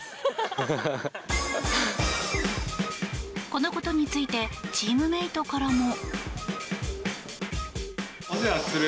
このことについてチームメートからも。